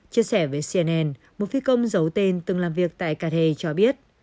chia sẻ với cnn một phi công giấu tên từng làm việc tại carbe cho biết